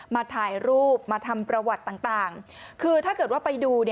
มาถ่ายรูปมาทำประวัติต่างคือถ้าเกิดว่าไปดู